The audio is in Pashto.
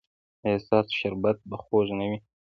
ایا ستاسو شربت به خوږ نه وي؟